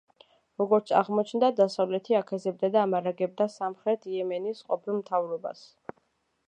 როგორც აღმოჩნდა, დასავლეთი აქეზებდა და ამარაგებდა სამხრეთ იემენის ყოფილ მთავრობას.